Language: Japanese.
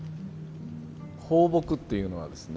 抱樸っていうのはですね